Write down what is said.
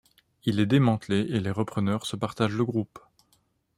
Il est démantelé et les repreneurs se partagent le groupe.